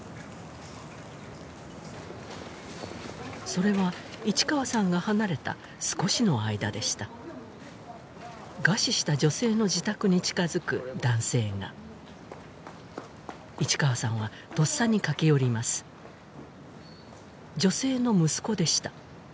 それは市川さんが離れた少しの間でした餓死した女性の自宅に近づく男性が市川さんはとっさに駆け寄ります女性の息子でした